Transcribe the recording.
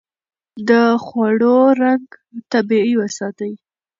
د خوړو رنګ طبيعي وساتئ.